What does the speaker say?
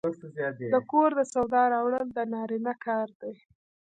د کور د سودا راوړل د نارینه کار دی.